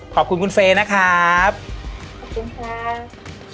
ขอบคุณคุณเฟย์นะครับขอบคุณครับ